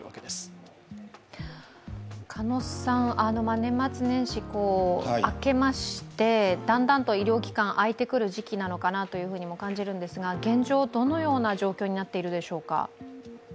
年末年始、明けましてだんだんと医療機関開いてくる時期なのかもとも感じるんですが、現状、どのような状況になっているでしょうか。